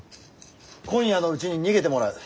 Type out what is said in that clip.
今夜のうちに逃げてもらう。